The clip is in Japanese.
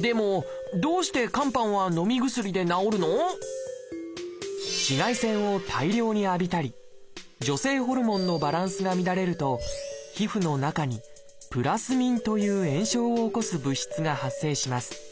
でも紫外線を大量に浴びたり女性ホルモンのバランスが乱れると皮膚の中に「プラスミン」という炎症を起こす物質が発生します。